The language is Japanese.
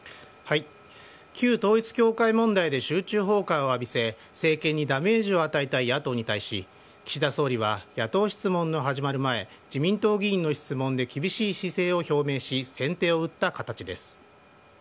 旧統一教会問題で集中砲火を浴びせ、政権にダメージを与えたい野党に対し、岸田総理は野党質問の始まる前、自民党議員の質問で厳しい姿勢を表明し、先手を打った形です。